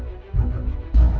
để bán giả